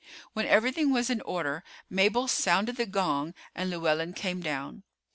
When everything was in order, Mabel sounded the gong, and Llewellyn came down.